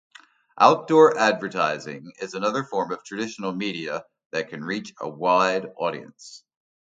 Outdoor advertising is another form of traditional media that can reach a wide audience.